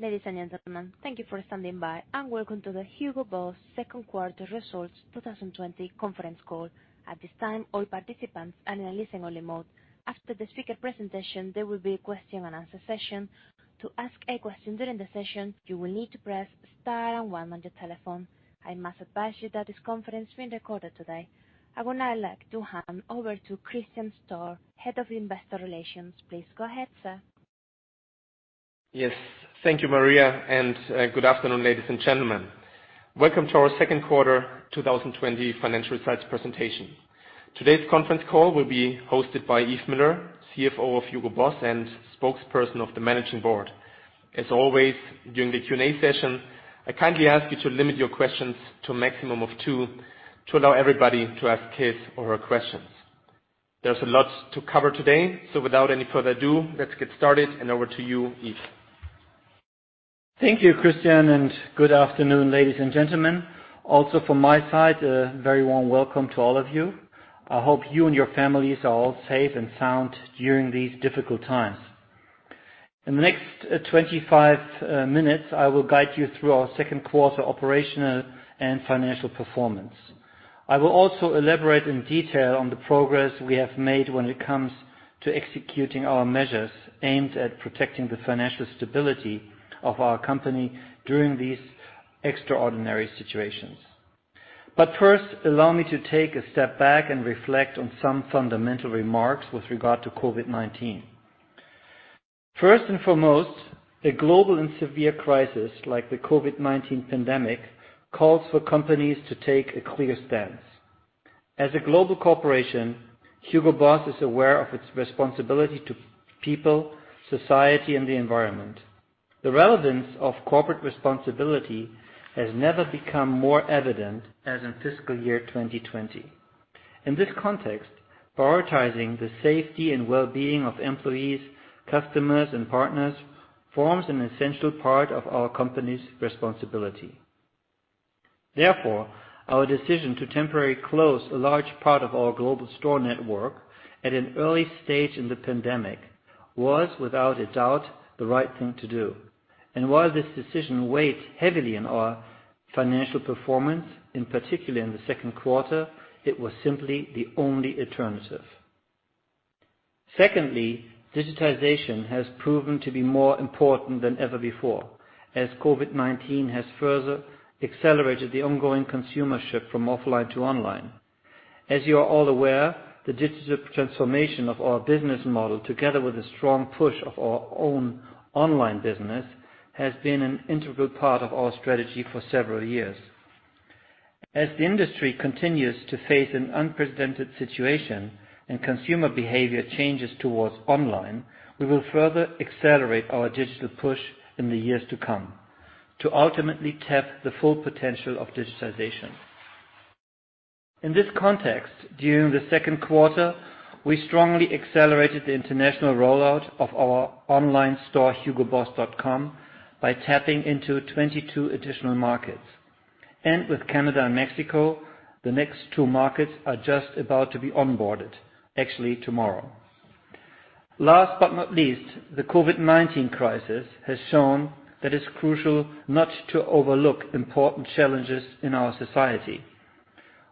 Ladies and gentlemen, thank you for standing by, and welcome to the Hugo Boss second quarter results 2020 conference call. At this time, all participants are in a listen-only mode. After the speaker presentation, there will be a question and answer session. To ask a question during the session, you will need to press star and one on your telephone. I must advise you that this conference is being recorded today. I would now like to hand over to Christian Stoehr, Head of Investor Relations. Please go ahead, sir. Yes. Thank you, Maria, and good afternoon, ladies and gentlemen. Welcome to our second quarter 2020 financial results presentation. Today's conference call will be hosted by Yves Müller, CFO of Hugo Boss and spokesperson of the managing board. As always, during the Q&A session, I kindly ask you to limit your questions to a maximum of two, to allow everybody to ask his or her questions. There's a lot to cover today. Without any further ado, let's get started, and over to you, Yves. Thank you, Christian, and good afternoon, ladies and gentlemen. Also from my side, a very warm welcome to all of you. I hope you and your families are all safe and sound during these difficult times. In the next 25 minutes, I will guide you through our second quarter operational and financial performance. I will also elaborate in detail on the progress we have made when it comes to executing our measures aimed at protecting the financial stability of our company during these extraordinary situations. First, allow me to take a step back and reflect on some fundamental remarks with regard to COVID-19. First and foremost, a global and severe crisis like the COVID-19 pandemic calls for companies to take a clear stance. As a global corporation, Hugo Boss is aware of its responsibility to people, society, and the environment. The relevance of corporate responsibility has never become more evident as in fiscal year 2020. In this context, prioritizing the safety and well-being of employees, customers, and partners forms an essential part of our company's responsibility. Therefore, our decision to temporarily close a large part of our global store network at an early stage in the pandemic was, without a doubt, the right thing to do. While this decision weighed heavily in our financial performance, in particular in the second quarter, it was simply the only alternative. Secondly, digitization has proven to be more important than ever before, as COVID-19 has further accelerated the ongoing consumer shift from offline to online. As you are all aware, the digital transformation of our business model, together with the strong push of our own online business, has been an integral part of our strategy for several years. As the industry continues to face an unprecedented situation and consumer behavior changes towards online, we will further accelerate our digital push in the years to come to ultimately tap the full potential of digitization. In this context, during the second quarter, we strongly accelerated the international rollout of our online store, hugoboss.com, by tapping into 22 additional markets. With Canada and Mexico, the next two markets are just about to be onboarded, actually tomorrow. Last but not least, the COVID-19 crisis has shown that it's crucial not to overlook important challenges in our society.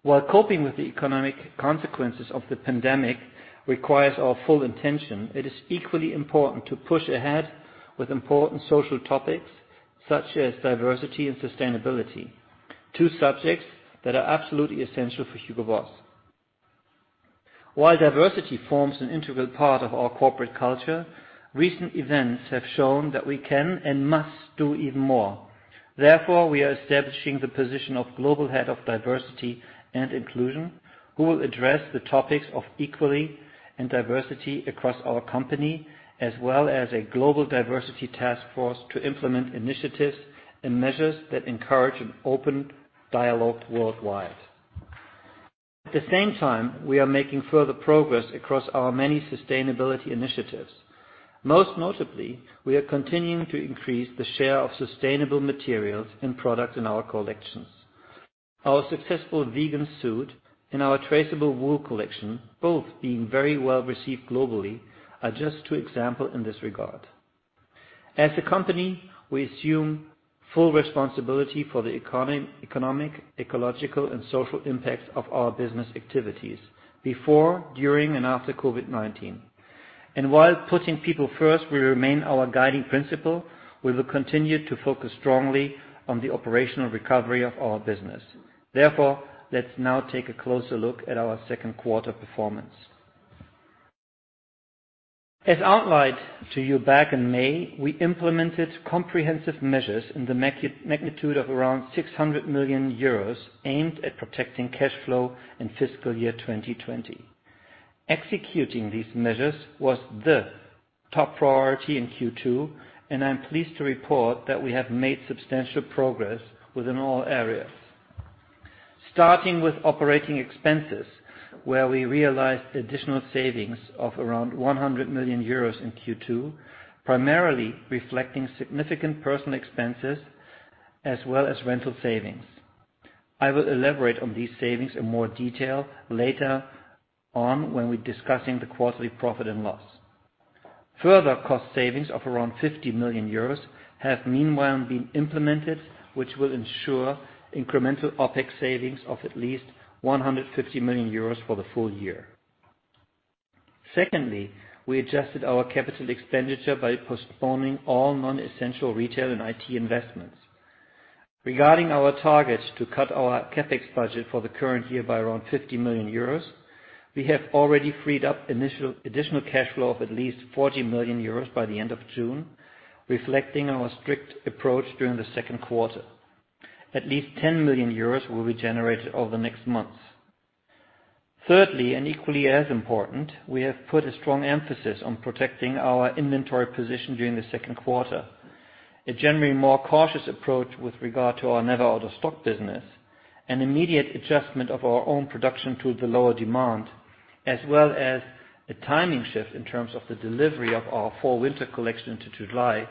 While coping with the economic consequences of the pandemic requires our full attention, it is equally important to push ahead with important social topics such as diversity and sustainability, two subjects that are absolutely essential for Hugo Boss. While diversity forms an integral part of our corporate culture, recent events have shown that we can and must do even more. Therefore, we are establishing the position of Global Head of Diversity and Inclusion, who will address the topics of equality and diversity across our company, as well as a Global Diversity Task Force to implement initiatives and measures that encourage an open dialogue worldwide. At the same time, we are making further progress across our many sustainability initiatives. Most notably, we are continuing to increase the share of sustainable materials and products in our collections. Our successful vegan suit and our traceable wool collection, both being very well received globally, are just two example in this regard. As a company, we assume full responsibility for the economic, ecological, and social impacts of our business activities before, during, and after COVID-19. While putting people first will remain our guiding principle, we will continue to focus strongly on the operational recovery of our business. Let's now take a closer look at our second quarter performance. As outlined to you back in May, we implemented comprehensive measures in the magnitude of around 600 million euros aimed at protecting cash flow in FY 2020. Executing these measures was the top priority in Q2, and I'm pleased to report that we have made substantial progress within all areas. Starting with OpEx, where we realized additional savings of around 100 million euros in Q2, primarily reflecting significant personal expenses as well as rental savings. I will elaborate on these savings in more detail later on when we're discussing the quarterly profit and loss. Further cost savings of around 50 million euros have meanwhile been implemented, which will ensure incremental OpEx savings of at least 150 million euros for the full year. Secondly, we adjusted our capital expenditure by postponing all non-essential retail and IT investments. Regarding our targets to cut our CapEx budget for the current year by around 50 million euros, we have already freed up additional cash flow of at least 40 million euros by the end of June, reflecting our strict approach during the second quarter. At least 10 million euros will be generated over the next months. Thirdly, equally as important, we have put a strong emphasis on protecting our inventory position during the second quarter. A generally more cautious approach with regard to our never out of stock business, an immediate adjustment of our own production to the lower demand, as well as a timing shift in terms of the delivery of our fall/winter collection into July,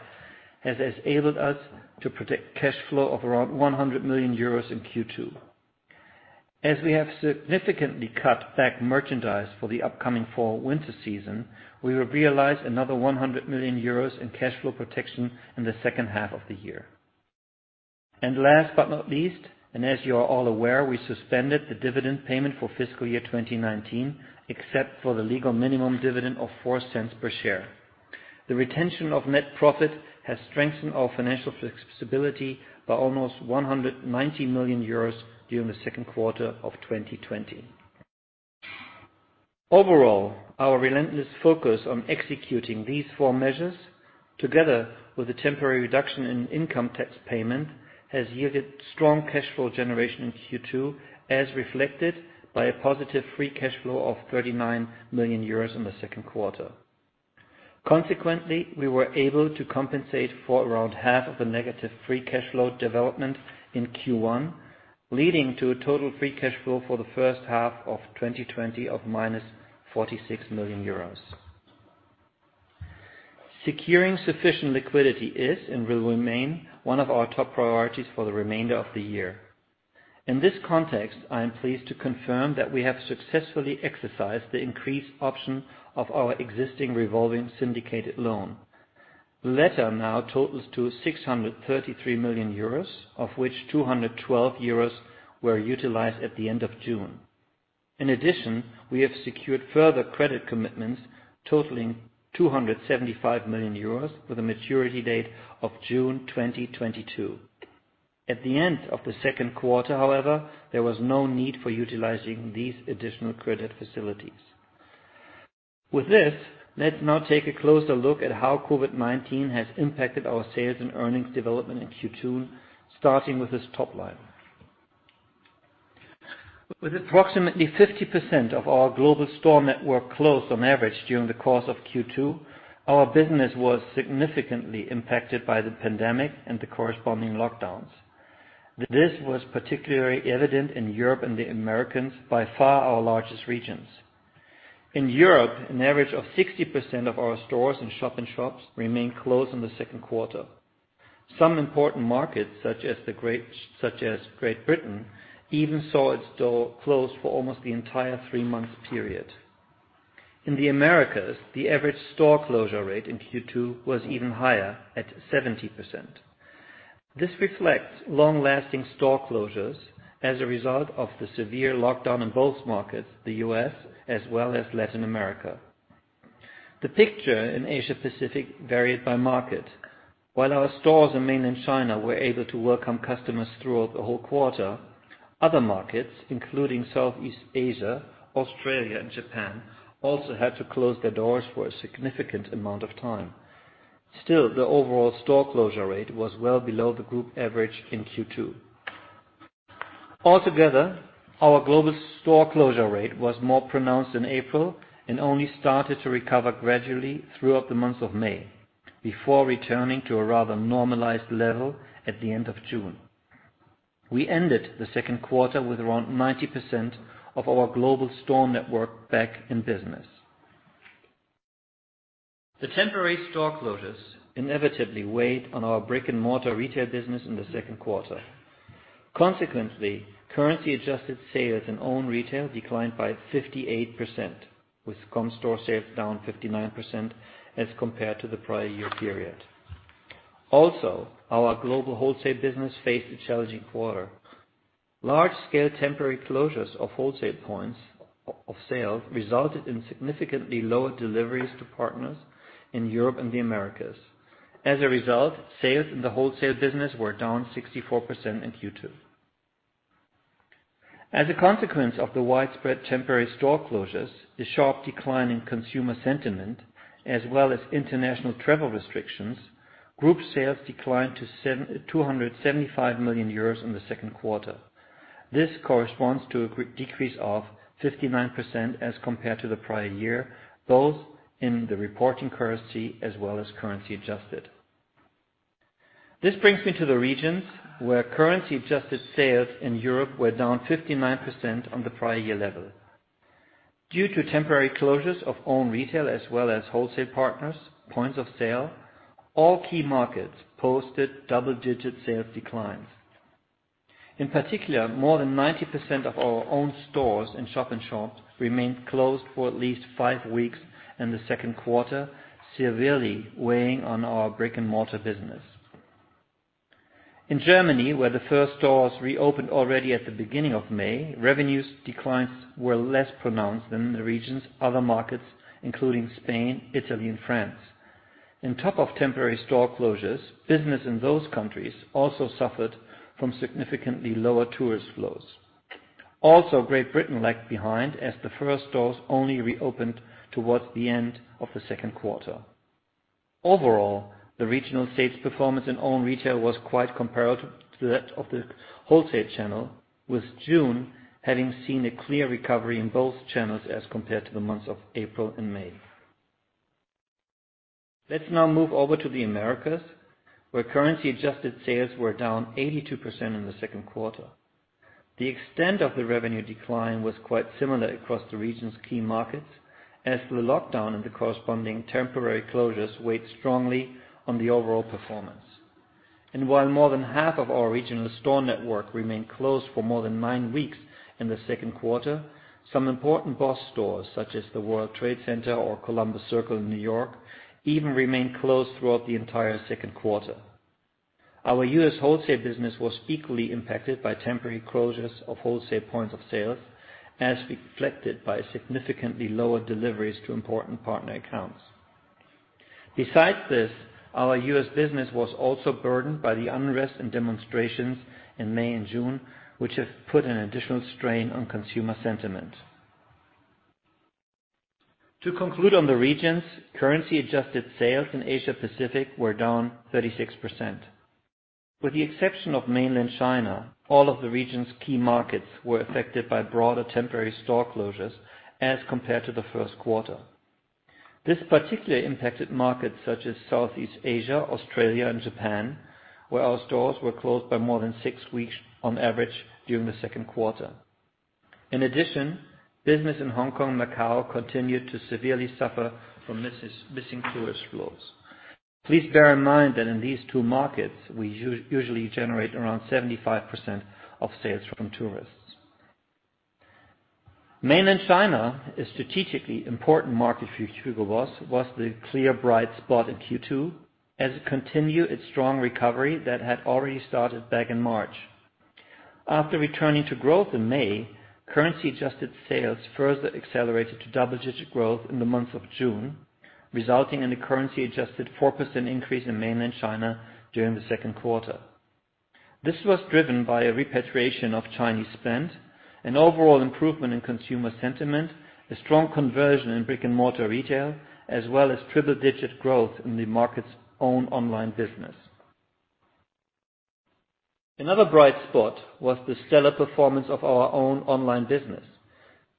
has enabled us to protect cash flow of around 100 million euros in Q2. As we have significantly cut back merchandise for the upcoming fall/winter season, we will realize another 100 million euros in cash flow protection in the second half of the year. Last but not least, and as you are all aware, we suspended the dividend payment for fiscal year 2019, except for the legal minimum dividend of 0.04 per share. The retention of net profit has strengthened our financial flexibility by almost 190 million euros during the second quarter of 2020. Overall, our relentless focus on executing these four measures, together with a temporary reduction in income tax payment, has yielded strong cash flow generation in Q2, as reflected by a positive free cash flow of 39 million euros in the second quarter. Consequently, we were able to compensate for around half of the negative free cash flow development in Q1, leading to a total free cash flow for the first half of 2020 of minus 46 million euros. Securing sufficient liquidity is and will remain one of our top priorities for the remainder of the year. In this context, I am pleased to confirm that we have successfully exercised the increased option of our existing revolving syndicated loan. The latter now totals to 633 million euros, of which 212 euros were utilized at the end of June. In addition, we have secured further credit commitments totaling 275 million euros with a maturity date of June 2022. At the end of the second quarter, however, there was no need for utilizing these additional credit facilities. With this, let's now take a closer look at how COVID-19 has impacted our sales and earnings development in Q2, starting with this top line. With approximately 50% of our global store network closed on average during the course of Q2, our business was significantly impacted by the pandemic and the corresponding lockdowns. This was particularly evident in Europe and the Americas, by far our largest regions. In Europe, an average of 60% of our stores and shop in shops remained closed in the second quarter. Some important markets, such as Great Britain, even saw its door closed for almost the entire three-month period. In the Americas, the average store closure rate in Q2 was even higher, at 70%. This reflects long-lasting store closures as a result of the severe lockdown in both markets, the U.S. as well as Latin America. The picture in Asia Pacific varied by market. While our stores in mainland China were able to welcome customers throughout the whole quarter, other markets, including Southeast Asia, Australia, and Japan, also had to close their doors for a significant amount of time. The overall store closure rate was well below the group average in Q2. Our global store closure rate was more pronounced in April and only started to recover gradually throughout the month of May, before returning to a rather normalized level at the end of June. We ended the second quarter with around 90% of our global store network back in business. The temporary store closures inevitably weighed on our brick-and-mortar retail business in the second quarter. Consequently, currency adjusted sales and own retail declined by 58%, with comp store sales down 59% as compared to the prior year period. Also, our global wholesale business faced a challenging quarter. Large-scale temporary closures of wholesale points of sale resulted in significantly lower deliveries to partners in Europe and the Americas. As a result, sales in the wholesale business were down 64% in Q2. As a consequence of the widespread temporary store closures, the sharp decline in consumer sentiment, as well as international travel restrictions, group sales declined to 275 million euros in the second quarter. This corresponds to a decrease of 59% as compared to the prior year, both in the reporting currency as well as currency adjusted. This brings me to the regions where currency-adjusted sales in Europe were down 59% on the prior year level. Due to temporary closures of own retail as well as wholesale partners, points of sale, all key markets posted double-digit sales declines. In particular, more than 90% of our own stores and shop-in-shops remained closed for at least five weeks in the second quarter, severely weighing on our brick-and-mortar business. In Germany, where the first stores reopened already at the beginning of May, revenues declines were less pronounced than in the region's other markets, including Spain, Italy, and France. On top of temporary store closures, business in those countries also suffered from significantly lower tourist flows. Also, Great Britain lagged behind as the first stores only reopened towards the end of the second quarter. Overall, the regional sales performance in own retail was quite comparable to that of the wholesale channel, with June having seen a clear recovery in both channels as compared to the months of April and May. Let's now move over to the Americas, where currency adjusted sales were down 82% in the second quarter. The extent of the revenue decline was quite similar across the region's key markets as the lockdown and the corresponding temporary closures weighed strongly on the overall performance. While more than half of our regional store network remained closed for more than nine weeks in the second quarter, some important BOSS stores, such as the World Trade Center or Columbus Circle in New York, even remained closed throughout the entire second quarter. Our U.S. wholesale business was equally impacted by temporary closures of wholesale points of sales, as reflected by significantly lower deliveries to important partner accounts. Besides this, our U.S. business was also burdened by the unrest and demonstrations in May and June, which have put an additional strain on consumer sentiment. To conclude on the regions, currency adjusted sales in Asia Pacific were down 36%. With the exception of mainland China, all of the region's key markets were affected by broader temporary store closures as compared to the first quarter. This particularly impacted markets such as Southeast Asia, Australia, and Japan, where our stores were closed by more than 6 weeks on average during the second quarter. In addition, business in Hong Kong and Macau continued to severely suffer from missing tourist flows. Please bear in mind that in these two markets, we usually generate around 75% of sales from tourists. Mainland China, a strategically important market for Hugo Boss, was the clear bright spot in Q2 as it continued its strong recovery that had already started back in March. After returning to growth in May, currency adjusted sales further accelerated to double-digit growth in the month of June, resulting in a currency adjusted 4% increase in mainland China during the second quarter. This was driven by a repatriation of Chinese spend, an overall improvement in consumer sentiment, a strong conversion in brick-and-mortar retail, as well as triple digit growth in the market's own online business. Another bright spot was the stellar performance of our own online business,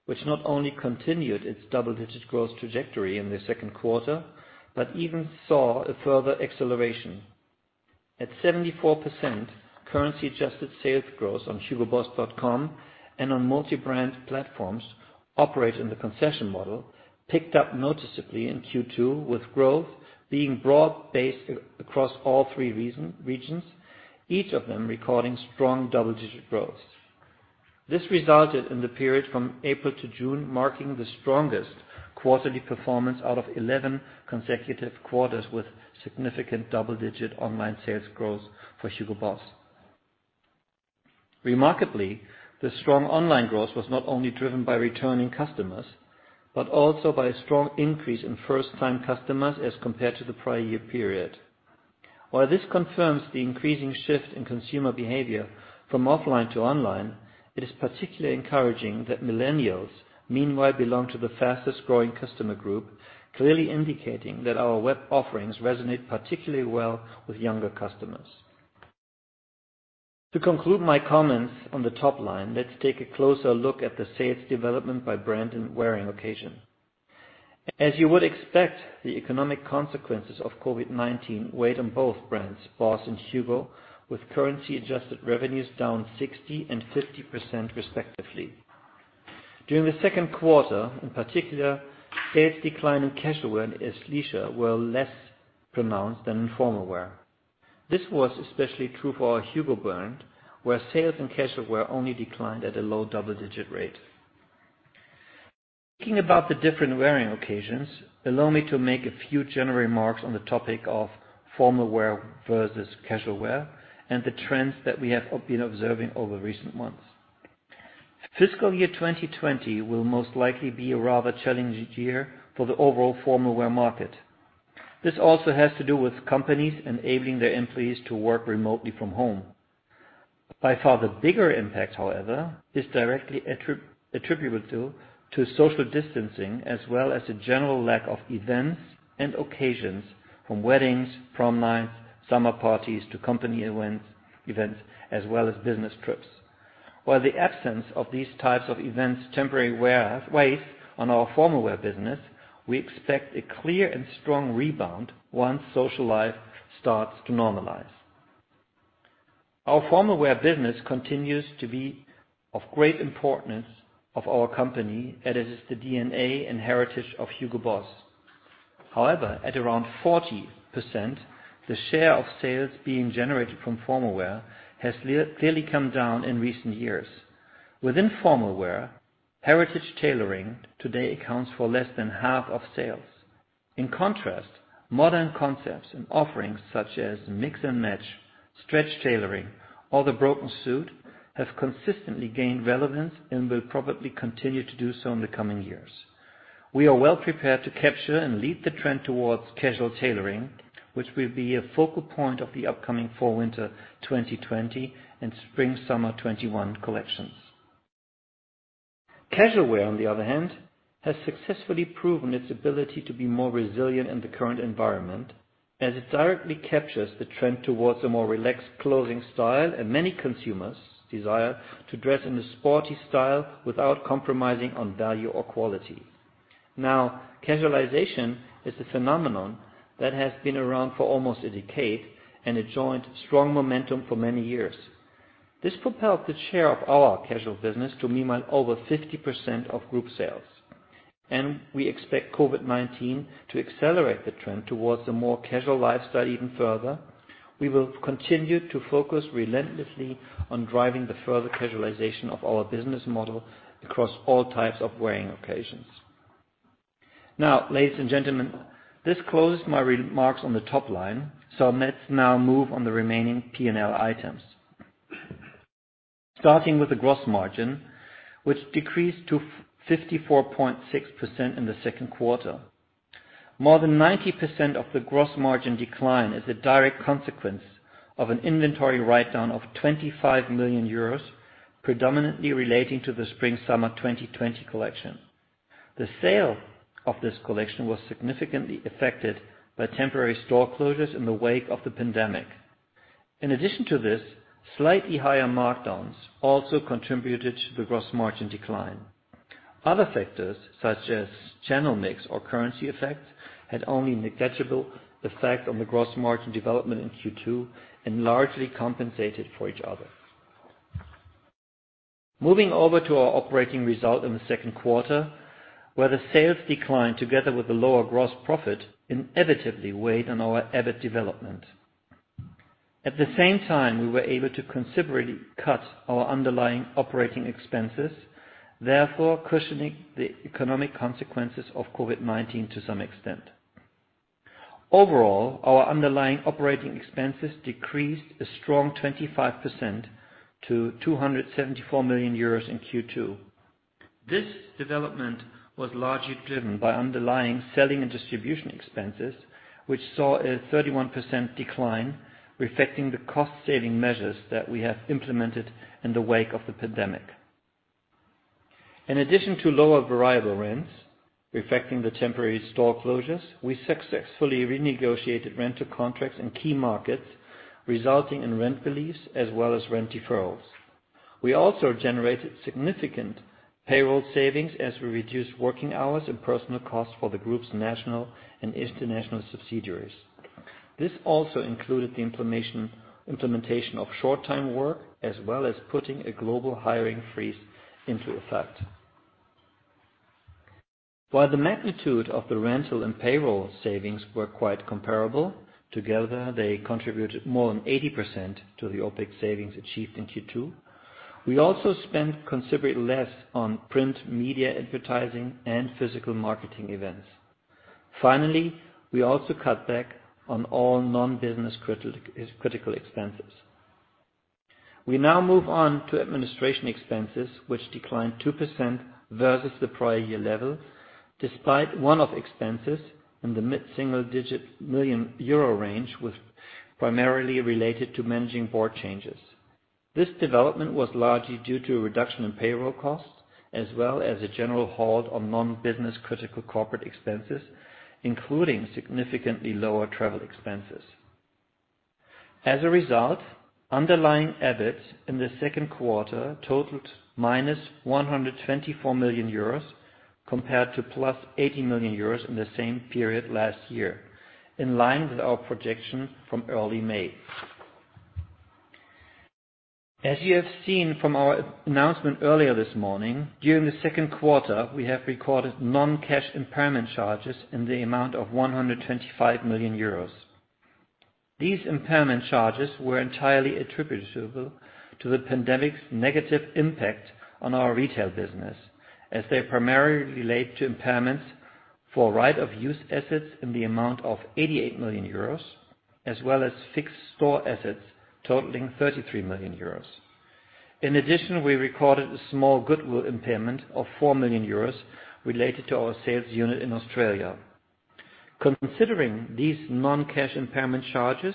which not only continued its double-digit growth trajectory in the second quarter, but even saw a further acceleration. At 74%, currency adjusted sales growth on hugoboss.com and on multi-brand platforms operate in the concession model picked up noticeably in Q2 with growth being broad based across all three regions, each of them recording strong double-digit growth. This resulted in the period from April to June marking the strongest quarterly performance out of 11 consecutive quarters with significant double-digit online sales growth for Hugo Boss. Remarkably, the strong online growth was not only driven by returning customers, but also by a strong increase in first-time customers as compared to the prior year period. While this confirms the increasing shift in consumer behavior from offline to online, it is particularly encouraging that millennials meanwhile belong to the fastest growing customer group, clearly indicating that our web offerings resonate particularly well with younger customers. To conclude my comments on the top line, let's take a closer look at the sales development by brand and wearing occasion. As you would expect, the economic consequences of COVID-19 weighed on both brands, BOSS and HUGO, with currency adjusted revenues down 60 and 50%, respectively. During the second quarter, in particular, sales decline in casualwear and athleisure were less pronounced than in formalwear. This was especially true for our HUGO brand, where sales in casualwear only declined at a low double-digit rate. Speaking about the different wearing occasions, allow me to make a few general remarks on the topic of formalwear versus casualwear and the trends that we have been observing over recent months. Fiscal year 2020 will most likely be a rather challenging year for the overall formalwear market. This also has to do with companies enabling their employees to work remotely from home. By far the bigger impact, however, is directly attributable to social distancing as well as the general lack of events and occasions from weddings, prom nights, summer parties, to company events, as well as business trips. While the absence of these types of events temporarily weighs on our formal wear business, we expect a clear and strong rebound once social life starts to normalize. Our formal wear business continues to be of great importance of our company, as it is the DNA and heritage of Hugo Boss. However, at around 40%, the share of sales being generated from formal wear has clearly come down in recent years. Within formal wear, heritage tailoring today accounts for less than half of sales. In contrast, modern concepts and offerings such as mix and match, stretch tailoring, or the broken suit have consistently gained relevance and will probably continue to do so in the coming years. We are well-prepared to capture and lead the trend towards casual tailoring, which will be a focal point of the upcoming fall/winter 2020 and spring/summer 2021 collections. Casual wear, on the other hand, has successfully proven its ability to be more resilient in the current environment as it directly captures the trend towards a more relaxed clothing style and many consumers desire to dress in a sporty style without compromising on value or quality. Now, casualization is a phenomenon that has been around for almost a decade and enjoyed strong momentum for many years. This propelled the share of our casual business to meanwhile over 50% of group sales. We expect COVID-19 to accelerate the trend towards a more casual lifestyle even further. We will continue to focus relentlessly on driving the further casualization of our business model across all types of wearing occasions. Now, ladies and gentlemen, this closes my remarks on the top line. Let's now move on the remaining P&L items. Starting with the gross margin, which decreased to 54.6% in the second quarter. More than 90% of the gross margin decline is a direct consequence of an inventory write-down of 25 million euros, predominantly relating to the spring/summer 2020 collection. The sale of this collection was significantly affected by temporary store closures in the wake of the pandemic. In addition to this, slightly higher markdowns also contributed to the gross margin decline. Other factors, such as channel mix or currency effects, had only negligible effect on the gross margin development in Q2 and largely compensated for each other. Moving over to our operating result in the second quarter, where the sales decline together with the lower gross profit inevitably weighed on our EBIT development. At the same time, we were able to considerably cut our underlying operating expenses, therefore cushioning the economic consequences of COVID-19 to some extent. Overall, our underlying operating expenses decreased a strong 25% to 274 million euros in Q2. This development was largely driven by underlying selling and distribution expenses, which saw a 31% decline, reflecting the cost-saving measures that we have implemented in the wake of the pandemic. In addition to lower variable rents reflecting the temporary store closures, we successfully renegotiated rental contracts in key markets, resulting in rent relief as well as rent deferrals. We also generated significant payroll savings as we reduced working hours and personal costs for the group's national and international subsidiaries. This also included the implementation of short-time work as well as putting a global hiring freeze into effect. While the magnitude of the rental and payroll savings were quite comparable, together, they contributed more than 80% to the OpEx savings achieved in Q2. We also spent considerably less on print media advertising and physical marketing events. Finally, we also cut back on all non-business critical expenses. We now move on to administration expenses, which declined 2% versus the prior year level, despite one-off expenses in the mid-single-digit million euro range was primarily related to managing board changes. This development was largely due to a reduction in payroll costs, as well as a general halt on non-business critical corporate expenses, including significantly lower travel expenses. As a result, underlying EBIT in the second quarter totaled minus 124 million euros compared to plus 80 million euros in the same period last year, in line with our projection from early May. As you have seen from our announcement earlier this morning, during the second quarter, we have recorded non-cash impairment charges in the amount of 125 million euros. These impairment charges were entirely attributable to the pandemic's negative impact on our retail business, as they primarily relate to impairments for right-of-use assets in the amount of 88 million euros, as well as fixed store assets totaling 33 million euros. In addition, we recorded a small goodwill impairment of 4 million euros related to our sales unit in Australia. Considering these non-cash impairment charges,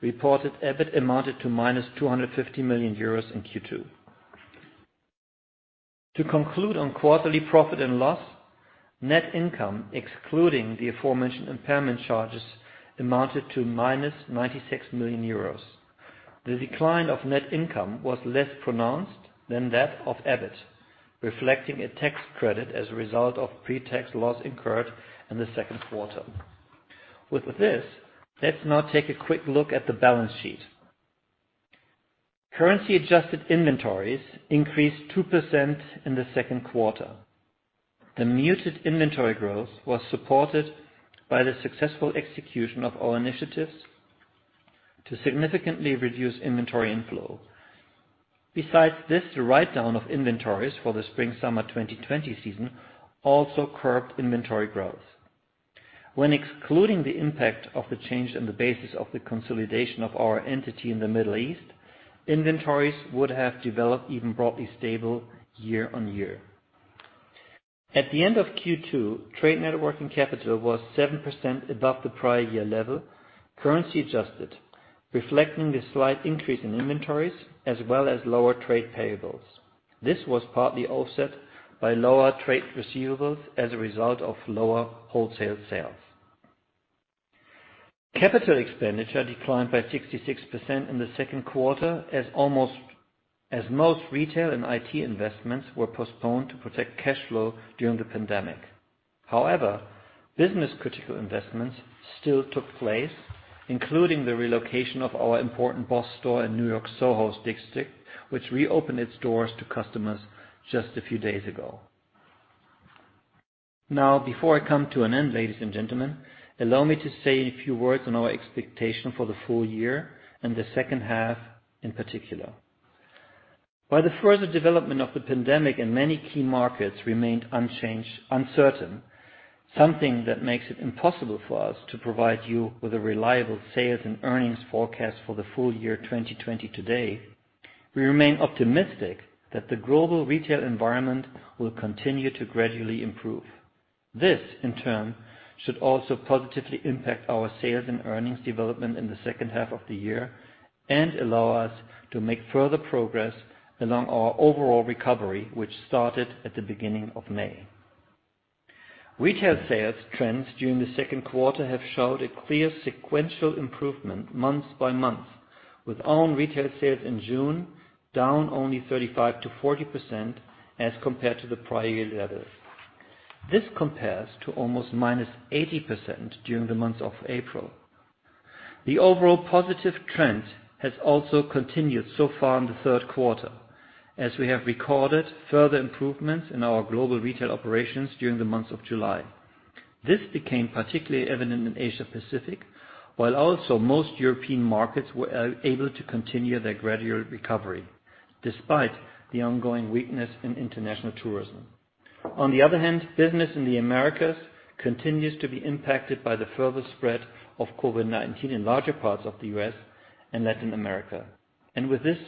reported EBIT amounted to minus 250 million euros in Q2. To conclude on quarterly profit and loss, net income, excluding the aforementioned impairment charges, amounted to minus 96 million euros. The decline of net income was less pronounced than that of EBIT, reflecting a tax credit as a result of pre-tax loss incurred in the second quarter. Let's now take a quick look at the balance sheet. Currency-adjusted inventories increased 2% in the second quarter. The muted inventory growth was supported by the successful execution of our initiatives to significantly reduce inventory inflow. Besides this, the write-down of inventories for the spring-summer 2020 season also curbed inventory growth. When excluding the impact of the change in the basis of the consolidation of our entity in the Middle East, inventories would have developed even broadly stable year-on-year. At the end of Q2, trade net working capital was 7% above the prior year level, currency adjusted, reflecting the slight increase in inventories as well as lower trade payables. This was partly offset by lower trade receivables as a result of lower wholesale sales. CapEx declined by 66% in the second quarter as most retail and IT investments were postponed to protect cash flow during the pandemic. Business-critical investments still took place, including the relocation of our important BOSS store in N.Y.'s SoHo, which reopened its doors to customers just a few days ago. Before I come to an end, ladies and gentlemen, allow me to say a few words on our expectation for the full year and the second half in particular. While the further development of the pandemic in many key markets remained uncertain, something that makes it impossible for us to provide you with a reliable sales and earnings forecast for the full year 2020 today, we remain optimistic that the global retail environment will continue to gradually improve. This, in turn, should also positively impact our sales and earnings development in the second half of the year and allow us to make further progress along our overall recovery, which started at the beginning of May. Retail sales trends during the second quarter have showed a clear sequential improvement month by month, with own retail sales in June down only 35%-40% as compared to the prior year levels. This compares to almost -80% during the month of April. The overall positive trend has also continued so far in the third quarter, as we have recorded further improvements in our global retail operations during the month of July. This became particularly evident in Asia Pacific, while also most European markets were able to continue their gradual recovery despite the ongoing weakness in international tourism. On the other hand, business in the Americas continues to be impacted by the further spread of COVID-19 in larger parts of the U.S. and Latin America. With this,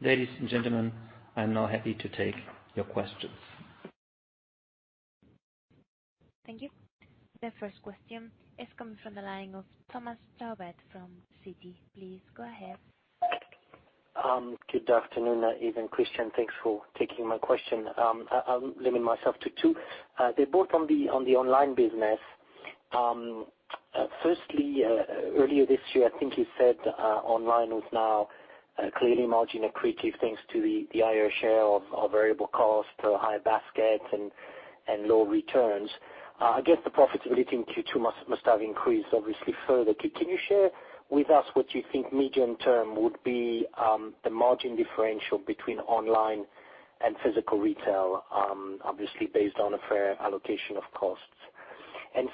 ladies and gentlemen, I'm now happy to take your questions. Thank you. The first question is coming from the line of Thomas Chauvet from Citi. Please go ahead. Good afternoon, Yves and Christian. Thanks for taking my question. I'll limit myself to two. They're both on the online business. Earlier this year, I think you said online was now clearly margin accretive, thanks to the higher share of variable cost, higher basket, and lower returns. I guess the profitability in Q2 must have increased obviously further. Can you share with us what you think medium term would be the margin differential between online and physical retail, obviously based on a fair allocation of costs?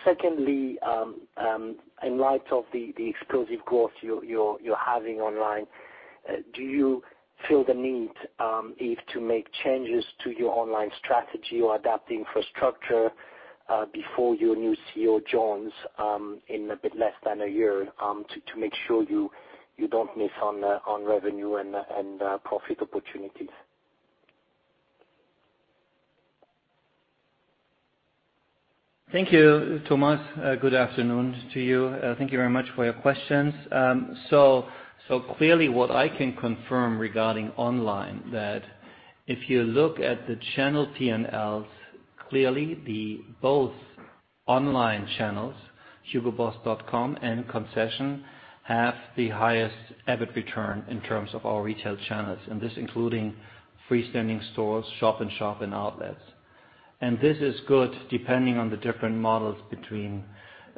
Secondly, in light of the explosive growth you're having online, do you feel the need, Yves, to make changes to your online strategy or adapt the infrastructure before your new CEO joins in a bit less than a year to make sure you don't miss on revenue and profit opportunities? Thank you, Thomas. Good afternoon to you. Thank you very much for your questions. Clearly what I can confirm regarding online that if you look at the channel P&Ls, clearly both online channels, hugoboss.com and concession, have the highest EBIT return in terms of our retail channels, and this including freestanding stores, shop-in-shops, and outlets. This is good depending on the different models between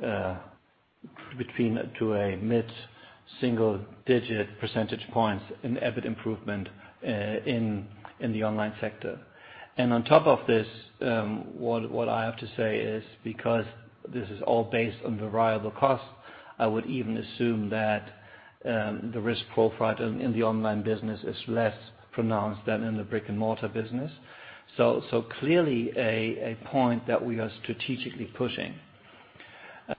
to a mid-single digit percentage points in EBIT improvement in the online sector. On top of this, what I have to say is because this is all based on variable costs, I would even assume that the risk profile in the online business is less pronounced than in the brick-and-mortar business. Clearly a point that we are strategically pushing.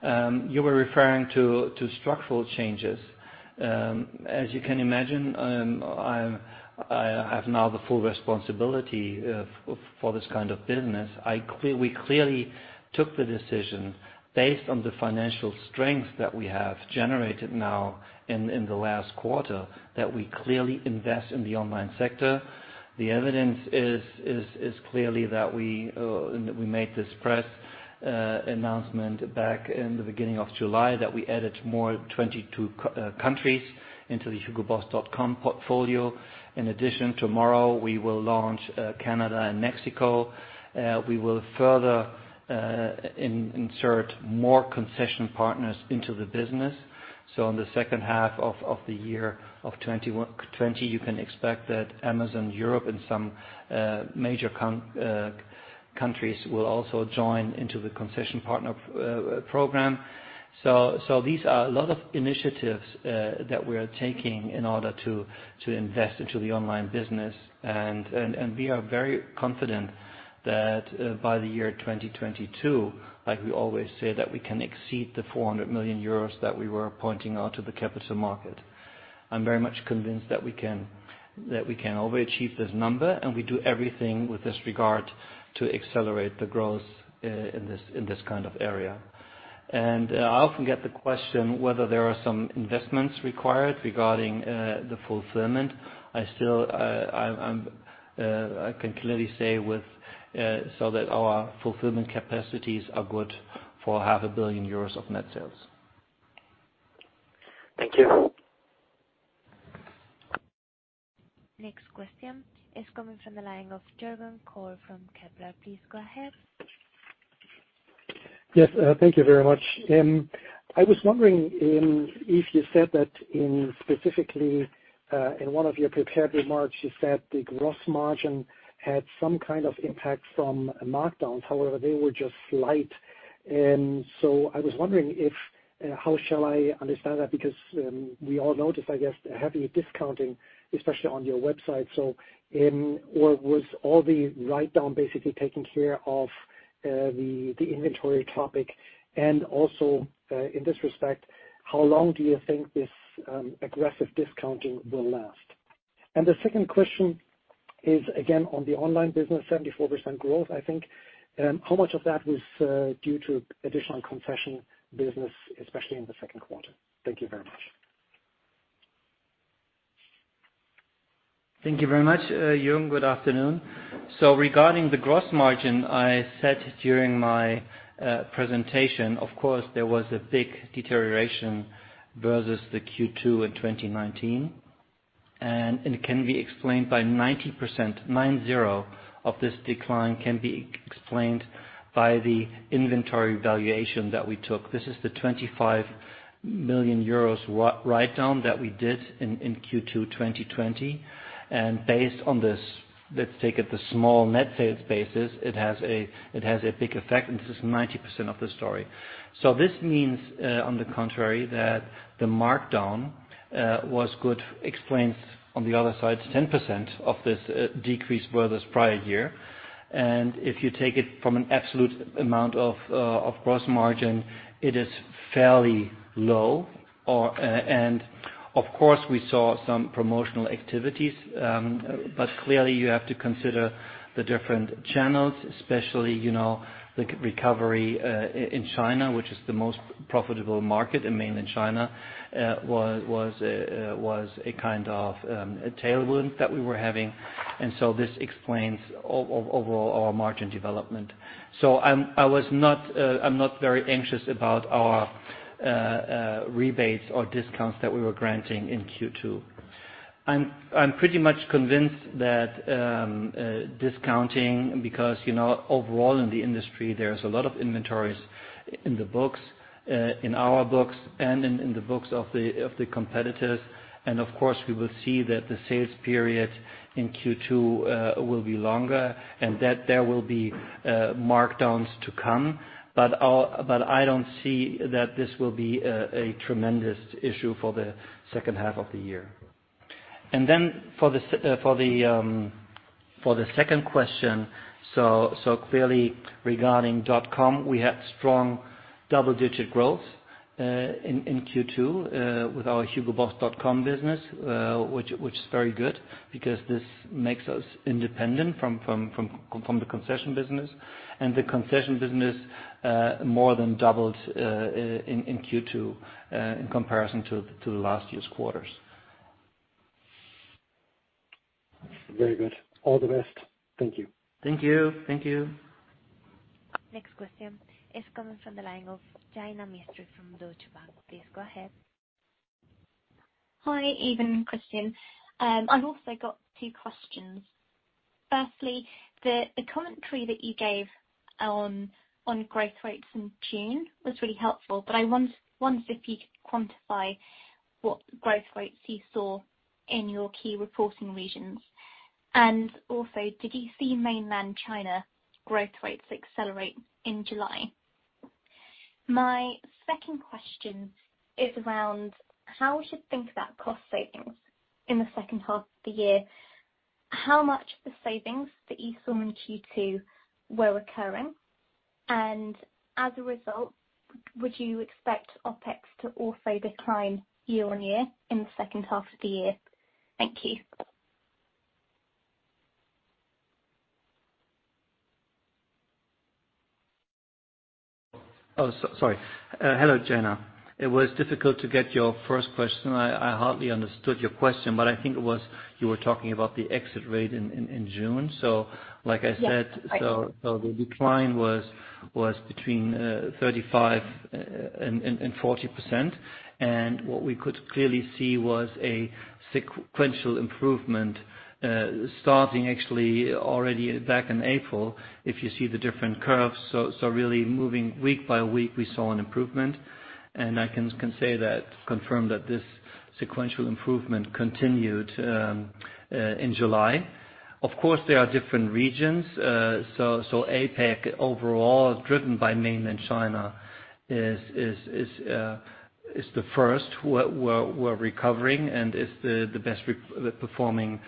You were referring to structural changes. As you can imagine, I have now the full responsibility for this kind of business. We clearly took the decision based on the financial strength that we have generated now in the last quarter that we clearly invest in the online sector. The evidence is clearly that we made this press announcement back in the beginning of July that we added more 22 countries into the hugoboss.com portfolio. In addition, tomorrow we will launch Canada and Mexico. We will further insert more concession partners into the business. In the second half of the year of 2020, you can expect that Amazon Europe and some major countries will also join into the concession partner program. These are a lot of initiatives that we are taking in order to invest into the online business. We are very confident that by the year 2022, like we always say, that we can exceed the 400 million euros that we were pointing out to the capital market. I'm very much convinced that we can overachieve this number, we do everything with this regard to accelerate the growth in this kind of area. I often get the question whether there are some investments required regarding the fulfillment. I can clearly say so that our fulfillment capacities are good for half a billion euros of net sales. Thank you. Next question is coming from the line of Juergen Kolb from Kepler. Please go ahead. Yes. Thank you very much. I was wondering if you said that in specifically, in one of your prepared remarks, you said the gross margin had some kind of impact from markdowns. They were just slight. I was wondering how shall I understand that? We all notice, I guess, a heavy discounting, especially on your website. Was all the write down basically taking care of the inventory topic? In this respect, how long do you think this aggressive discounting will last? The second question is, again, on the online business, 74% growth, I think. How much of that was due to additional concession business, especially in the second quarter? Thank you very much. Thank you very much, Juergen. Good afternoon. Regarding the gross margin, I said during my presentation, of course, there was a big deterioration versus the Q2 in 2019. It can be explained by 90%, nine zero, of this decline can be explained by the inventory valuation that we took. This is the 25 million euros write down that we did in Q2 2020. Based on this, let's take it the small net sales basis. It has a big effect, and this is 90% of the story. This means, on the contrary, that the markdown was good, explains on the other side, 10% of this decrease versus prior year. If you take it from an absolute amount of gross margin, it is fairly low. Of course, we saw some promotional activities. Clearly you have to consider the different channels, especially, the recovery in China, which is the most profitable market in mainland China was a kind of a tailwind that we were having. This explains overall our margin development. I'm not very anxious about our rebates or discounts that we were granting in Q2. I'm pretty much convinced that discounting because, overall in the industry, there is a lot of inventories in the books, in our books and in the books of the competitors. Of course, we will see that the sales period in Q2 will be longer and that there will be markdowns to come. I don't see that this will be a tremendous issue for the second half of the year. For the second question, clearly regarding .com, we had strong double-digit growth in Q2 with our hugoboss.com business which is very good because this makes us independent from the concession business. The concession business more than doubled in Q2 in comparison to last year's quarters. Very good. All the best. Thank you. Thank you. Next question is coming from the line of Jaina Mistry from Deutsche Bank. Please go ahead. Hi. Evening, Christian. I've also got two questions. Firstly, the commentary that you gave on growth rates in June was really helpful, but I wondered if you could quantify what growth rates you saw in your key reporting regions. Also, did you see mainland China growth rates accelerate in July? My second question is around how we should think about cost savings in the second half of the year. How much of the savings that you saw in Q2 were recurring? As a result, would you expect OpEx to also decline year-on-year in the second half of the year? Thank you. Oh, sorry. Hello, Jaina. It was difficult to get your first question. I hardly understood your question, but I think you were talking about the exit rate in June. Yes The decline was between 35% and 40%. What we could clearly see was a sequential improvement starting actually already back in April, if you see the different curves. Really moving week by week, we saw an improvement. I can confirm that this sequential improvement continued in July. Of course, there are different regions. APAC overall, driven by Mainland China, is the first who were recovering and is the best-performing region.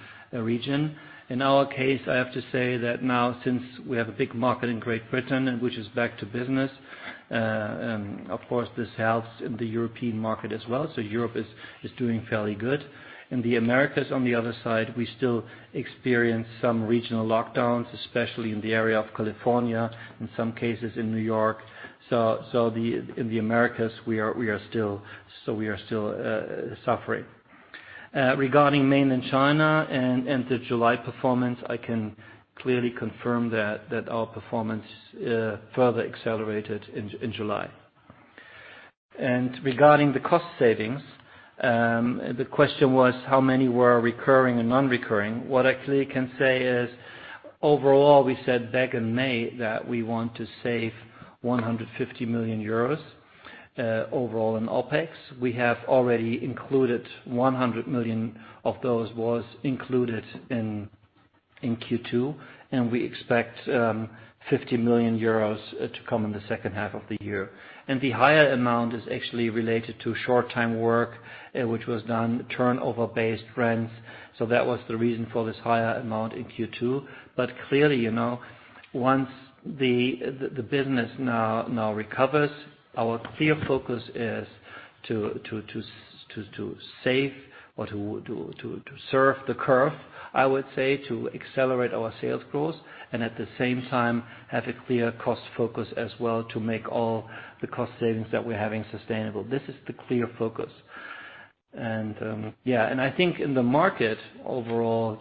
In our case, I have to say that now, since we have a big market in Great Britain, which is back to business, of course this helps in the European market as well. Europe is doing fairly good. In the Americas, on the other side, we still experience some regional lockdowns, especially in the area of California, in some cases in New York. In the Americas, we are still suffering. Regarding Mainland China and the July performance, I can clearly confirm that our performance further accelerated in July. Regarding the cost savings, the question was how many were recurring and non-recurring. What I clearly can say is overall, we said back in May that we want to save 150 million euros overall in OpEx. We have already included 100 million of those was included in Q2, and we expect 50 million euros to come in the second half of the year. The higher amount is actually related to short-time work, which was done turnover-based rents. That was the reason for this higher amount in Q2. Clearly, once the business now recovers, our clear focus is to save or to serve the curve, I would say, to accelerate our sales growth and at the same time have a clear cost focus as well to make all the cost savings that we're having sustainable. This is the clear focus. I think in the market overall,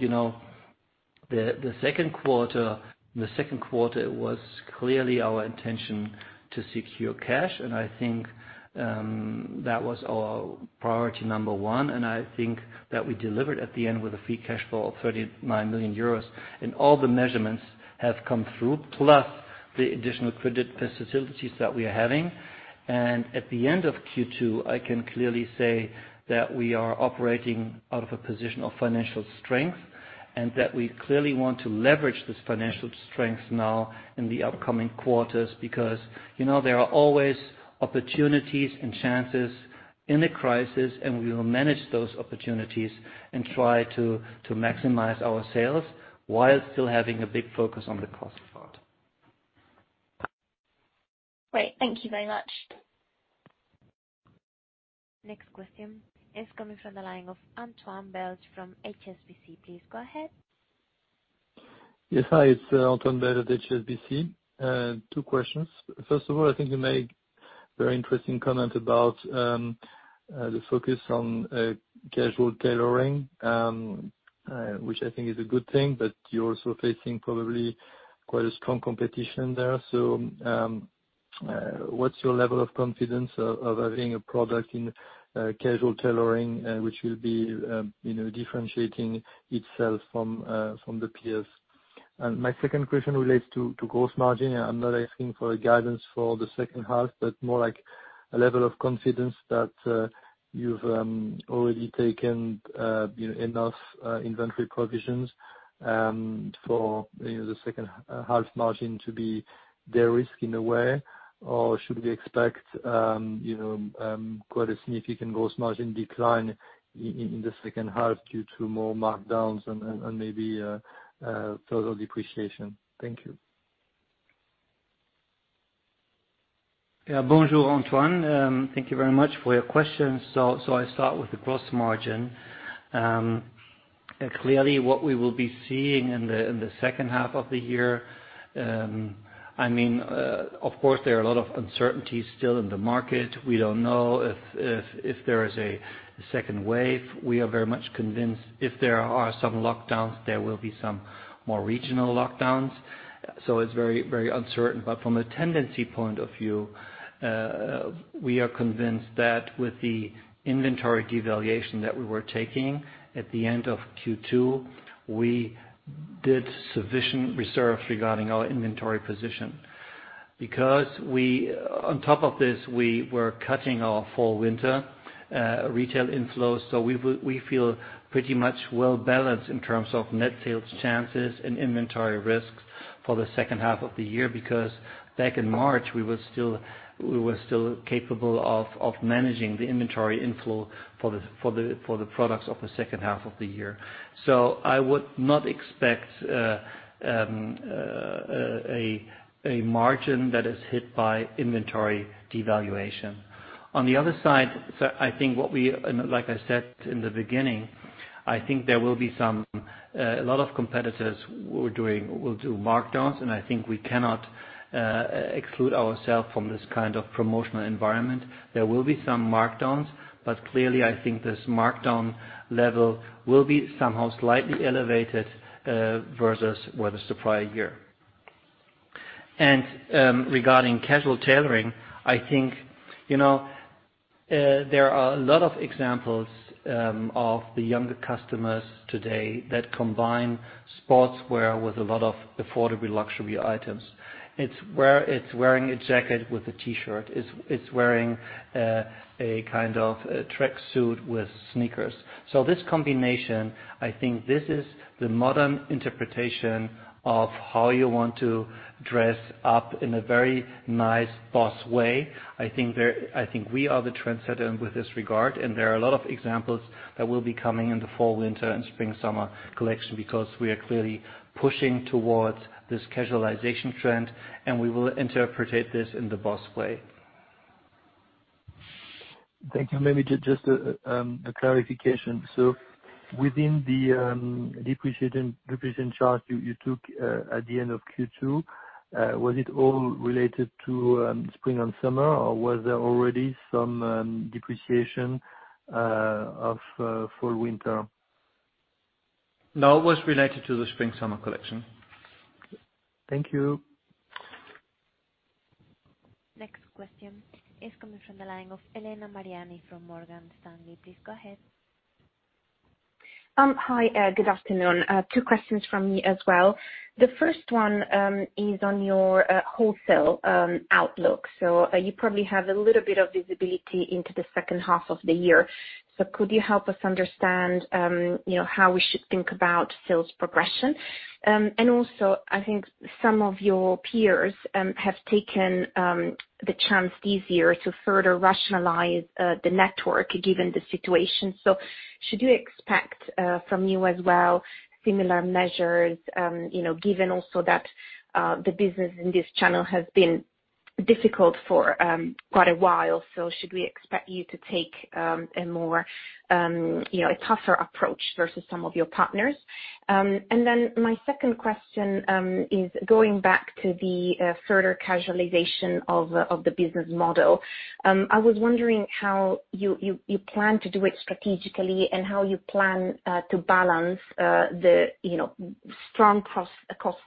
the second quarter was clearly our intention to secure cash and I think that was our priority number 1. I think that we delivered at the end with a free cash flow of 39 million euros and all the measurements have come through. Plus the additional credit facilities that we are having. At the end of Q2, I can clearly say that we are operating out of a position of financial strength and that we clearly want to leverage this financial strength now in the upcoming quarters because there are always opportunities and chances in a crisis and we will manage those opportunities and try to maximize our sales while still having a big focus on the cost part. Great. Thank you very much. Next question is coming from the line of Antoine Belge from HSBC. Please go ahead. Yes. Hi, it's Antoine Belge at HSBC. Two questions. First of all, I think you made a very interesting comment about the focus on casual tailoring, which I think is a good thing, but you're also facing probably quite a strong competition there. What's your level of confidence of having a product in casual tailoring which will be differentiating itself from the peers? My second question relates to gross margin. I'm not asking for a guidance for the second half, but more like a level of confidence that you've already taken enough inventory provisions for the second half margin to be de-risked in a way, or should we expect quite a significant gross margin decline in the second half due to more markdowns and maybe total depreciation? Thank you. Yeah. Bonjour, Antoine. Thank you very much for your questions. I start with the gross margin. Clearly what we will be seeing in the second half of the year, of course there are a lot of uncertainties still in the market. We don't know if there is a second wave. We are very much convinced if there are some lockdowns, there will be some more regional lockdowns. It's very uncertain. From a tendency point of view, we are convinced that with the inventory devaluation that we were taking at the end of Q2, we did sufficient reserves regarding our inventory position. On top of this, we were cutting our fall winter retail inflows. We feel pretty much well-balanced in terms of net sales chances and inventory risks for the second half of the year because back in March, we were still capable of managing the inventory inflow for the products of the second half of the year. I would not expect a margin that is hit by inventory devaluation. On the other side, like I said in the beginning, I think there will be a lot of competitors will do markdowns, and I think we cannot exclude ourselves from this kind of promotional environment. There will be some markdowns, clearly, I think this markdown level will be somehow slightly elevated versus with the prior year. Regarding casual tailoring, I think there are a lot of examples of the younger customers today that combine sportswear with a lot of affordable luxury items. It's wearing a jacket with a T-shirt. It's wearing a kind of a track suit with sneakers. This combination, I think this is the modern interpretation of how you want to dress up in a very nice BOSS way. I think we are the trendsetter with this regard, and there are a lot of examples that will be coming in the fall/winter and spring/summer collection because we are clearly pushing towards this casualization trend, and we will interpret this in the BOSS way. Thank you. Maybe just a clarification. Within the depreciation charge you took at the end of Q2, was it all related to spring and summer or was there already some depreciation of fall/winter? No, it was related to the spring/summer collection. Thank you. Next question is coming from the line of Elena Mariani from Morgan Stanley. Please go ahead. Hi. Good afternoon. Two questions from me as well. The first one is on your wholesale outlook. You probably have a little bit of visibility into the second half of the year. Could you help us understand how we should think about sales progression? I think some of your peers have taken the chance this year to further rationalize the network, given the situation. Should you expect from you as well similar measures, given also that the business in this channel has been difficult for quite a while. Should we expect you to take a tougher approach versus some of your partners? My second question is going back to the further casualization of the business model. I was wondering how you plan to do it strategically and how you plan to balance the strong cost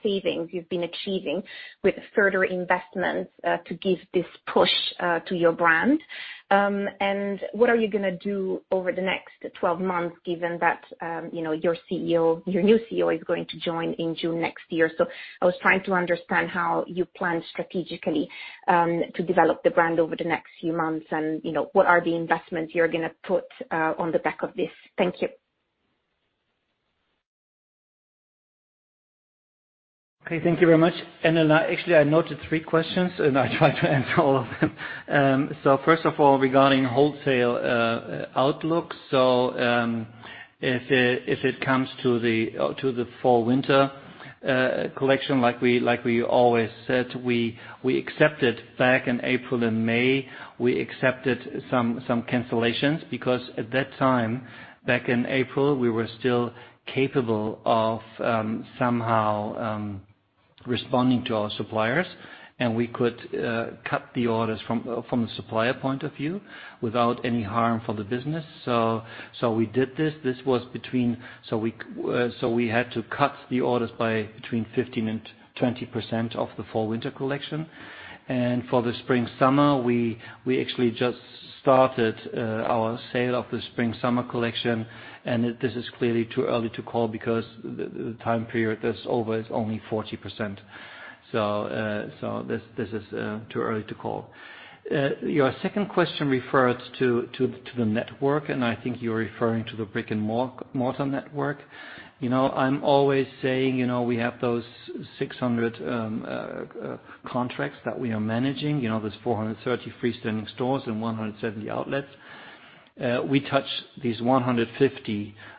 savings you've been achieving with further investments to give this push to your brand. What are you going to do over the next 12 months given that your new CEO is going to join in June next year. I was trying to understand how you plan strategically to develop the brand over the next few months and what are the investments you're going to put on the back of this. Thank you. Okay. Thank you very much. Actually, I noted three questions and I'll try to answer all of them. First of all, regarding wholesale outlook. If it comes to the fall/winter collection, like we always said, back in April and May, we accepted some cancellations because at that time back in April, we were still capable of somehow responding to our suppliers and we could cut the orders from the supplier point of view without any harm for the business. We did this. We had to cut the orders by between 15% and 20% of the fall/winter collection. For the spring/summer, we actually just started our sale of the spring/summer collection. This is clearly too early to call because the time period that's over is only 40%. This is too early to call. Your second question refers to the network, and I think you're referring to the brick-and-mortar network. I'm always saying we have those 600 contracts that we are managing. There's 430 freestanding stores and 170 outlets. We touch these 150 contracts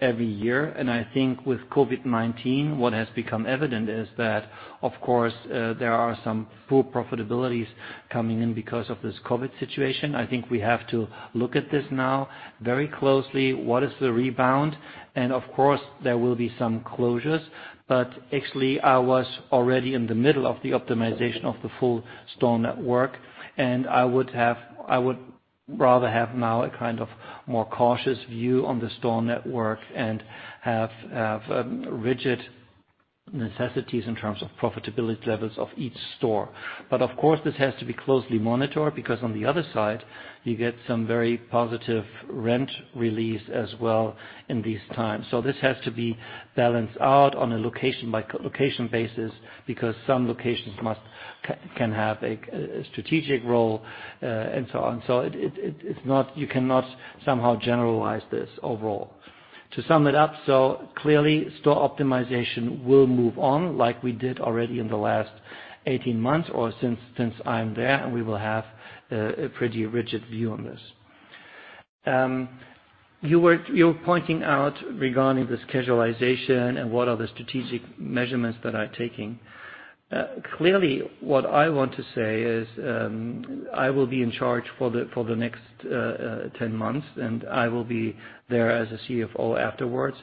every year. I think with COVID-19, what has become evident is that, of course, there are some full profitabilities coming in because of this COVID situation. I think we have to look at this now very closely. What is the rebound? Of course there will be some closures, but actually I was already in the middle of the optimization of the full store network and I would rather have now a more cautious view on the store network and have rigid necessities in terms of profitability levels of each store. Of course this has to be closely monitored because on the other side, you get some very positive rent release as well in these times. This has to be balanced out on a location-by-location basis because some locations can have a strategic role and so on. You cannot somehow generalize this overall. To sum it up, clearly store optimization will move on like we did already in the last 18 months or since I'm there, and we will have a pretty rigid view on this. You're pointing out regarding this casualization and what are the strategic measurements that I'm taking. Clearly, what I want to say is, I will be in charge for the next 10 months, and I will be there as a CFO afterwards.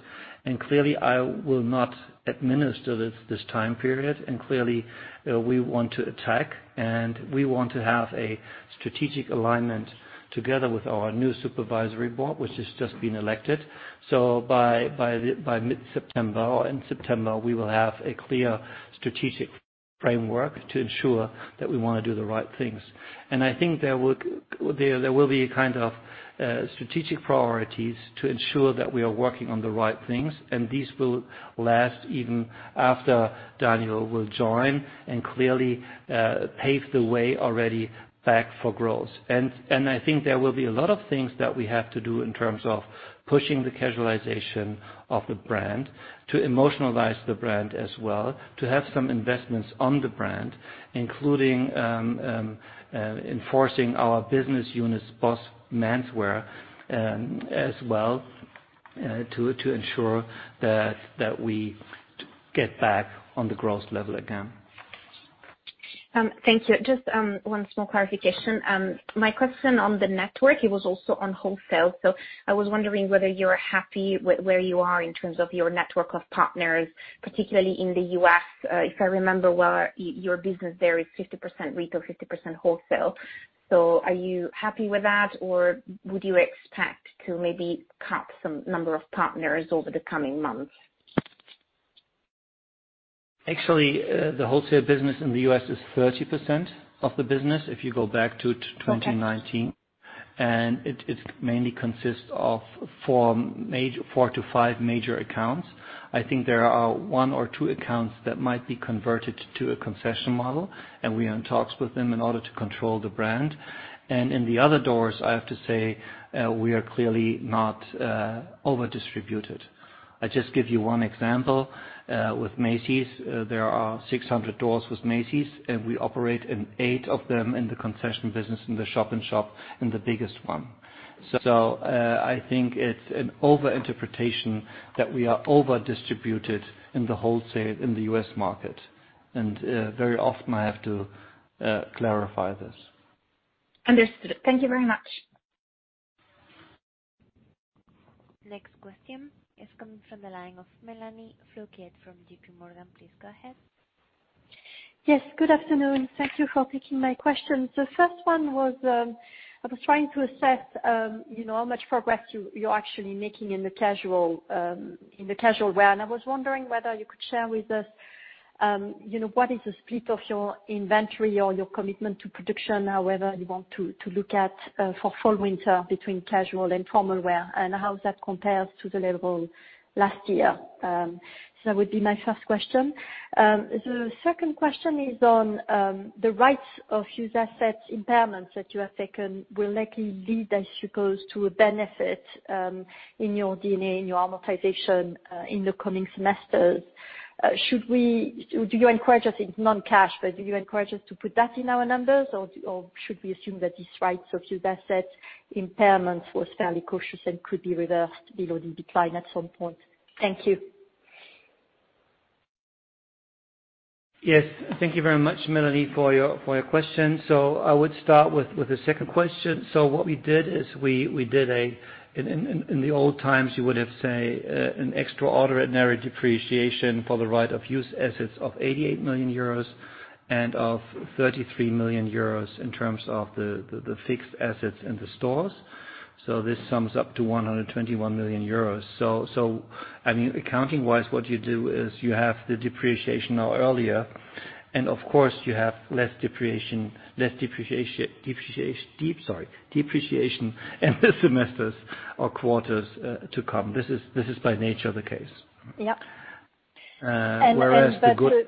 Clearly, I will not administer this time period. Clearly, we want to attack and we want to have a strategic alignment together with our new supervisory board, which has just been elected. By mid-September or in September, we will have a clear strategic framework to ensure that we want to do the right things. I think there will be a kind of strategic priorities to ensure that we are working on the right things, and these will last even after Daniel will join and clearly, pave the way already back for growth. I think there will be a lot of things that we have to do in terms of pushing the casualization of the brand, to emotionalize the brand as well, to have some investments on the brand, including enforcing our business units, BOSS Menswear, as well to ensure that we get back on the growth level again. Thank you. Just one small clarification. My question on the network, it was also on wholesale. I was wondering whether you are happy where you are in terms of your network of partners, particularly in the U.S. If I remember well, your business there is 50% retail, 50% wholesale. Are you happy with that or would you expect to maybe cap some number of partners over the coming months? Actually, the wholesale business in the U.S. is 30% of the business if you go back to 2019. Okay. It mainly consists of four to five major accounts. I think there are one or two accounts that might be converted to a concession model, and we are in talks with them in order to control the brand. In the other doors, I have to say, we are clearly not over-distributed. I just give you one example. With Macy's, there are 600 stores with Macy's, and we operate in eight of them in the concession business in the shop and the biggest one. I think it's an over-interpretation that we are over-distributed in the wholesale in the U.S. market. Very often I have to clarify this. Understood. Thank you very much. Next question is coming from the line of Mélanie Flouquet from J.P. Morgan. Please go ahead. Yes. Good afternoon. Thank you for taking my question. First one was, I was trying to assess how much progress you're actually making in the casual wear. I was wondering whether you could share with us what is the split of your inventory or your commitment to production, however you want to look at, for fall-winter between casual and formal wear, and how that compares to the level last year. That would be my first question. The second question is on the right-of-use asset impairments that you have taken will likely lead, I suppose, to a benefit in your D&A, in your amortization in the coming semesters. Do you encourage us, it's non-cash, but do you encourage us to put that in our numbers or should we assume that this right-of-use assets impairments was fairly cautious and could be reversed below the decline at some point? Thank you. Yes. Thank you very much, Mélanie, for your question. I would start with the second question. What we did is, in the old times, you would have, say, an extraordinary depreciation for the right-of-use assets of 88 million euros and of 33 million euros in terms of the fixed assets in the stores. This sums up to 121 million euros. Accounting-wise, what you do is you have the depreciation now earlier, and of course you have less depreciation in the semesters or quarters to come. This is by nature the case. Yeah. Whereas the good-.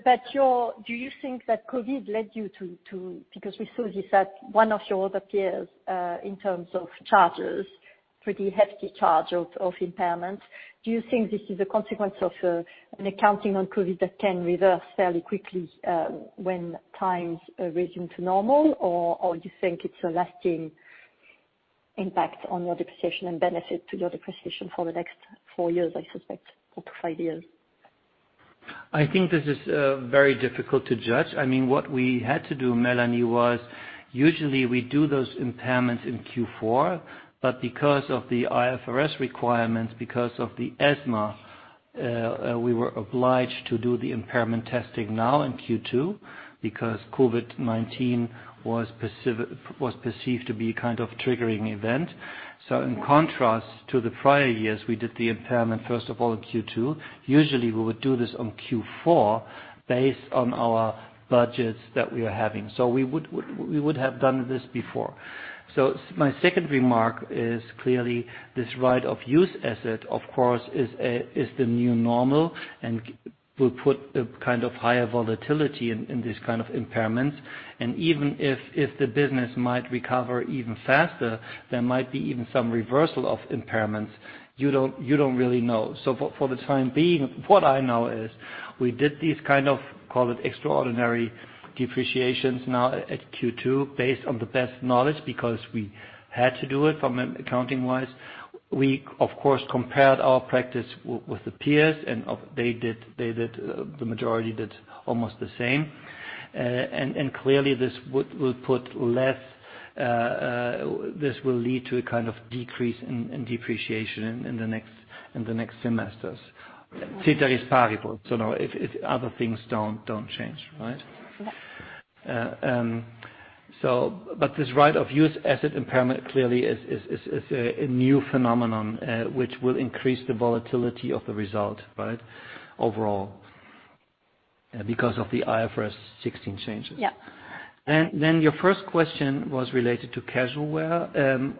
Do you think that COVID led you to because we saw this at one of your other peers, in terms of charges, pretty hefty charge of impairment? Do you think this is a consequence of an accounting on COVID that can reverse fairly quickly, when times return to normal or you think it's a lasting impact on your depreciation and benefit to your depreciation for the next four years, I suspect, or five years? I think this is very difficult to judge. What we had to do, Mélanie, was usually we do those impairments in Q4, but because of the IFRS requirements, because of the ESMA, we were obliged to do the impairment testing now in Q2 because COVID-19 was perceived to be a kind of triggering event. In contrast to the prior years, we did the impairment, first of all, in Q2. Usually, we would do this on Q4 based on our budgets that we are having. We would have done this before. My second remark is clearly this right-of-use asset, of course, is the new normal and will put a kind of higher volatility in this kind of impairments. Even if the business might recover even faster, there might be even some reversal of impairments. You don't really know. For the time being, what I know is we did these kind of, call it extraordinary depreciations now at Q2 based on the best knowledge because we had to do it accounting-wise. We, of course, compared our practice with the peers and the majority did almost the same. Clearly this will lead to a kind of decrease in depreciation in the next semesters. Ceteris paribus. Now if other things don't change, right? Yeah. This right-of-use asset impairment clearly is a new phenomenon, which will increase the volatility of the result, right, overall, because of the IFRS 16 changes. Yeah. Your first question was related to casual wear.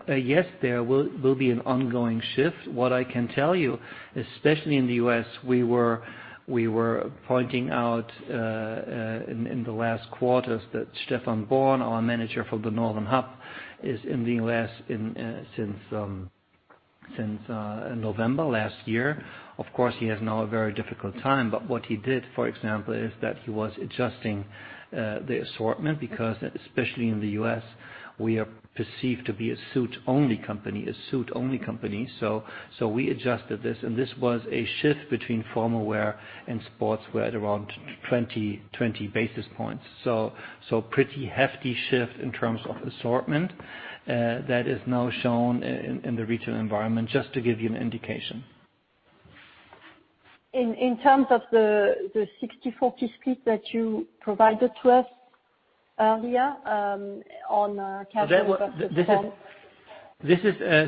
Yes, there will be an ongoing shift. What I can tell you, especially in the U.S., we were pointing out in the last quarters that Stephan Born, our manager for the Northern Hub, is in the U.S. since November last year. Of course, he has now a very difficult time, but what he did, for example, is that he was adjusting the assortment because, especially in the U.S., we are perceived to be a suit only company. We adjusted this, and this was a shift between formal wear and sportswear at around 20 basis points. Pretty hefty shift in terms of assortment, that is now shown in the retail environment, just to give you an indication. In terms of the 60-40 split that you provided to us earlier on casual versus formal.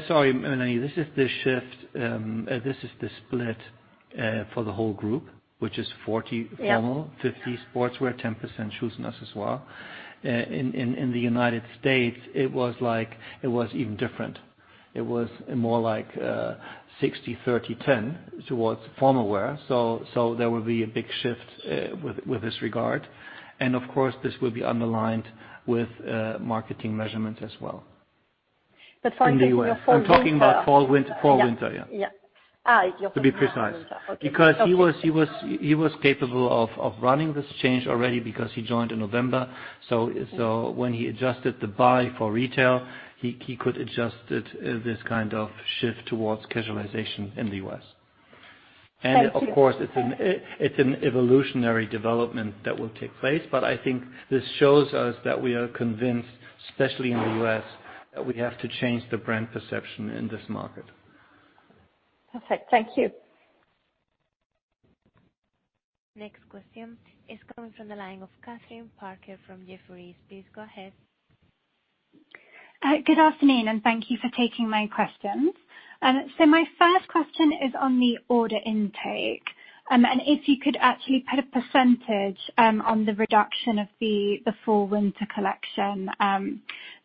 Sorry, Mélanie. This is the shift. This is the split for the whole group, which is 40 formal- Yeah 50% sportswear, 10% shoes and accessories. In the U.S., it was even different. It was more like 60%-30%-10% towards formal wear. There will be a big shift with this regard. Of course, this will be underlined with marketing measurements as well. For the fall-winter. I'm talking about fall-winter. Yeah. To be precise. Okay. Because he was capable of running this change already because he joined in November. When he adjusted the buy for retail, he could adjust it, this kind of shift towards casualization in the U.S. Thank you. Of course, it's an evolutionary development that will take place, but I think this shows us that we are convinced, especially in the U.S., that we have to change the brand perception in this market. Perfect. Thank you. Next question is coming from the line of Kathryn Parker from Jefferies. Please go ahead. Good afternoon, and thank you for taking my questions. My first question is on the order intake. If you could actually put a percentage on the reduction of the fall/winter collection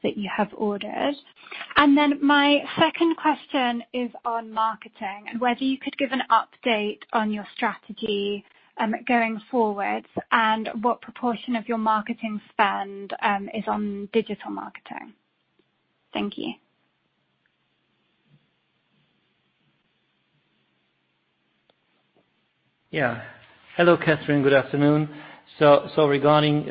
that you have ordered. My second question is on marketing, and whether you could give an update on your strategy going forward, and what proportion of your marketing spend is on digital marketing. Thank you. Yeah. Hello, Catherine. Good afternoon. Regarding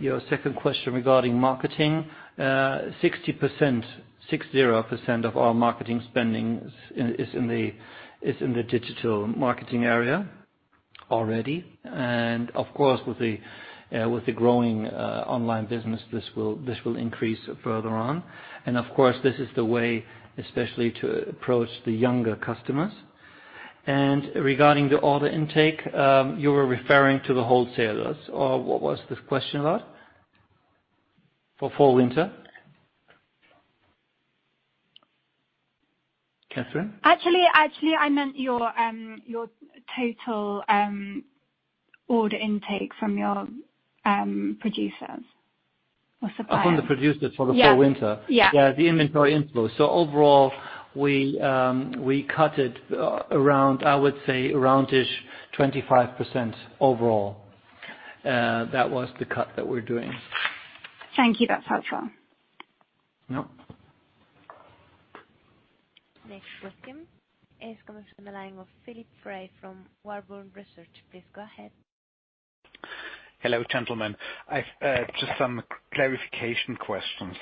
your second question regarding marketing, 60%, 6-0%, of our marketing spending is in the digital marketing area already. Of course, with the growing online business, this will increase further on. Of course, this is the way especially to approach the younger customers. Regarding the order intake, you were referring to the wholesalers or what was this question about? For fall/winter? Catherine? Actually, I meant your total order intake from your producers or suppliers. From the producers for the fall/winter? Yeah. Yeah, the inventory inflow. Overall, we cut it, I would say, around 25% overall. That was the cut that we're doing. Thank you. That's helpful. No. Next question is coming from the line of Philipp Frey from Warburg Research. Please go ahead. Hello, gentlemen. Just some clarification questions.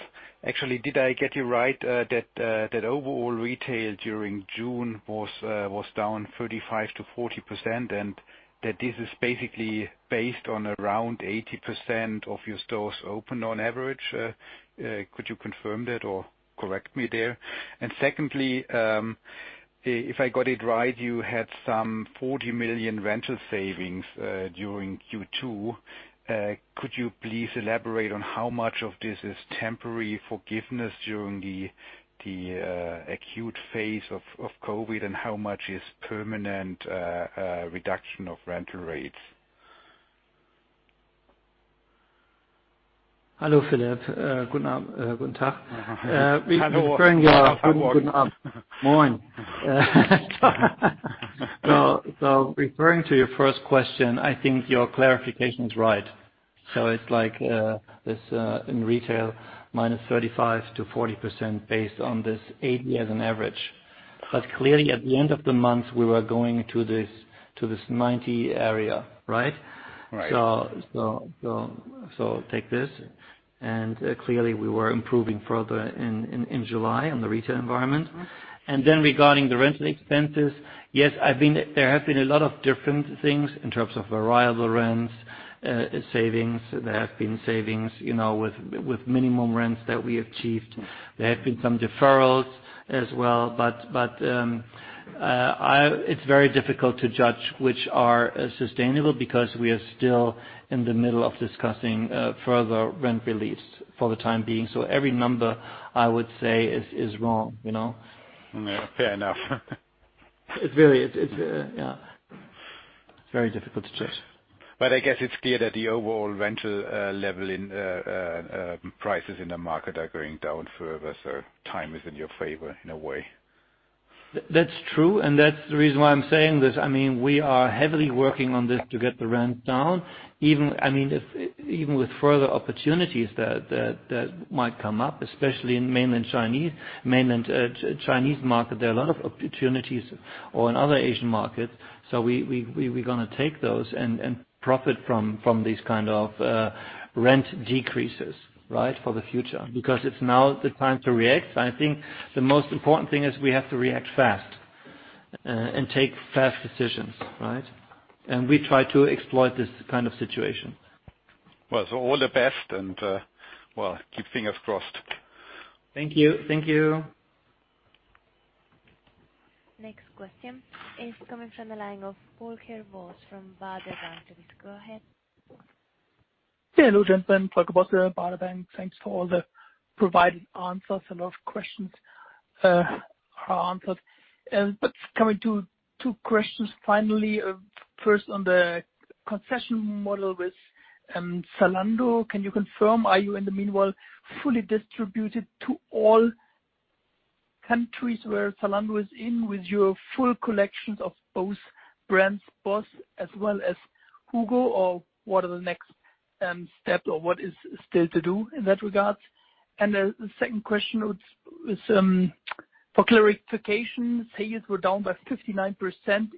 Actually, did I get you right that overall retail during June was down 35%-40% and that this is basically based on around 80% of your stores open on average? Could you confirm that or correct me there? Secondly, if I got it right, you had some 40 million rental savings during Q2. Could you please elaborate on how much of this is temporary forgiveness during the acute phase of COVID-19 and how much is permanent reduction of rental rates? Hello, Philipp. Referring to your first question, I think your clarification is right. It's like this in retail minus 35%-40% based on this 80% as an average. Clearly at the end of the month, we were going to this 90% area, right? Right. Take this, and clearly we were improving further in July in the retail environment. Regarding the rental expenses, yes, there have been a lot of different things in terms of variable rents, savings. There have been savings with minimum rents that we achieved. There have been some deferrals as well. It's very difficult to judge which are sustainable because we are still in the middle of discussing further rent reliefs for the time being. Every number, I would say, is wrong. Fair enough. It really is. Yeah. It's very difficult to judge. I guess it's clear that the overall rental level in prices in the market are going down further, so time is in your favor in a way. That's true. That's the reason why I'm saying this. We are heavily working on this to get the rent down. Even with further opportunities that might come up, especially in Mainland Chinese market, there are a lot of opportunities or in other Asian markets. We're going to take those and profit from these kind of rent decreases, for the future. It's now the time to react. I think the most important thing is we have to react fast and take fast decisions, right? We try to exploit this kind of situation. Well, all the best and, well, keep fingers crossed. Thank you. Next question is coming from the line of Volker Bosse from Baader Bank. Please go ahead. Hello gentlemen, Volker Bosse from Baader Bank. Thanks for all the provided answers. A lot of questions are answered. Coming to two questions finally. First on the concession model with Zalando. Can you confirm, are you in the meanwhile fully distributed to all countries where Zalando is in with your full collections of both brands, BOSS as well as HUGO? What are the next steps? What is still to do in that regard? The second question is for clarification. Sales were down by 59%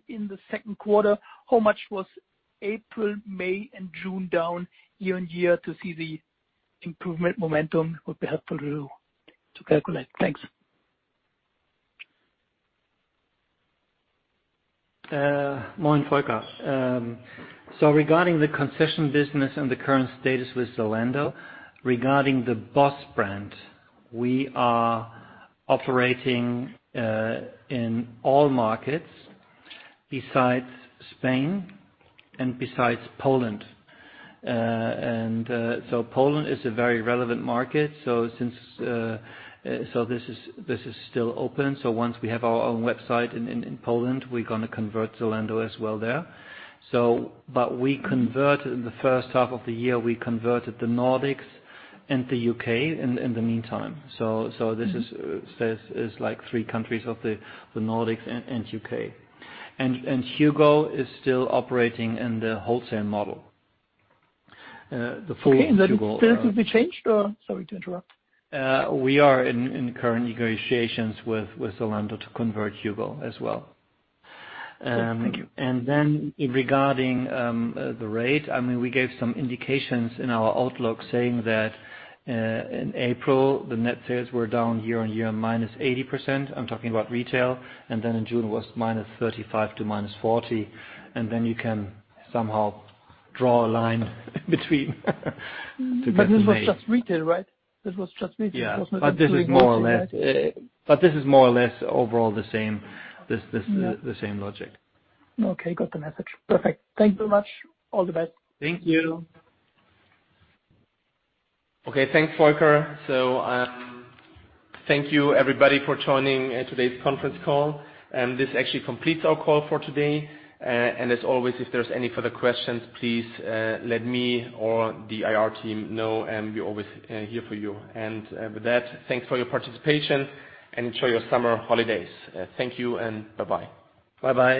in the second quarter. How much was April, May, and June down year-on-year to see the improvement momentum? Would be helpful to calculate. Thanks. Morn, Volker. Regarding the concession business and the current status with Zalando. Regarding the BOSS brand, we are operating in all markets besides Spain and besides Poland. Poland is a very relevant market, this is still open. Once we have our own website in Poland, we're going to convert Zalando as well there. We converted in the first half of the year, we converted the Nordics and the U.K. in the meantime. This is like three countries of the Nordics and U.K. HUGO is still operating in the wholesale model. Okay. That is to be changed or? Sorry to interrupt. We are in current negotiations with Zalando to convert HUGO as well. Good. Thank you. Regarding the rate. We gave some indications in our outlook saying that in April the net sales were down year-on-year, -80%. I'm talking about retail. In June was -35% to -40%. You can somehow draw a line between to get to May. This was just retail, right? This was just retail. It wasn't including wholesale, right? Yeah. This is more or less overall the same logic. Okay, got the message. Perfect. Thank you so much. All the best. Thank you. Thanks, Volker. Thank you everybody for joining today's conference call, this actually completes our call for today. As always, if there's any further questions, please let me or the IR team know, we're always here for you. With that, thanks for your participation and enjoy your summer holidays. Thank you and bye bye. Bye bye.